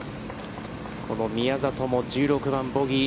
この宮里も１６番ボギー。